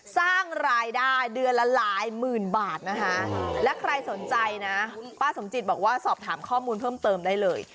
สร้างรายได้เดือนละหลายหมื่นบาทนะคะและใครสนใจนะป้าสมจิตบอกว่าสอบถามข้อมูลเพิ่มเติมได้เลย